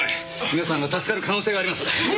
皆さんが助かる可能性があります。